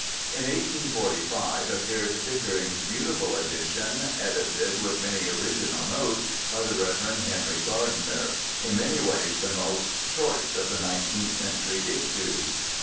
In 1845 appeared Pickering's beautiful edition, edited, with many original notes, by the Rev. Henry Gardiner, in many ways the most choice of nineteenth century' issues.